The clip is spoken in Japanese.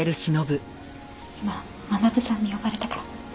今学さんに呼ばれたから。